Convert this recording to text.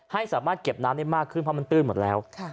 ให้สามารถเก็บน้ำได้มากขึ้นเพราะมันตื้นหมดแล้ว